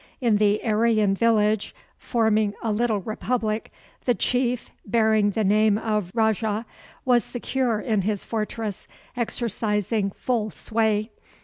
In the Aryan village, forming a little republic, the chief, bearing the name of rajah, was secure in his fortress, exercising full sway.